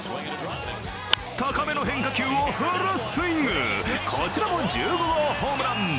高めの変化球をフルスイング、こちらも１５号ホームラン。